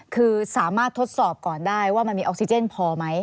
คือสามารถทดสอบก่อนได้ว่ามันมีออกซิเจนพอไหม